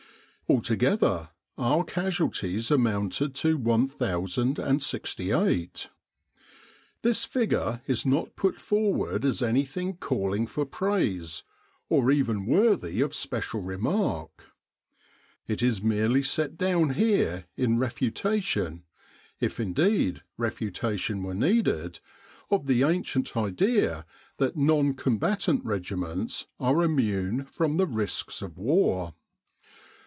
Alto gether, our casualties amounted to 1,068. This figure is not put forward as anything calling for praise, or even worthy of special remark. It is merely set down here in refutation if indeed refutation were needed of the ancient idea that non combatant regiments are immune from the risks of war.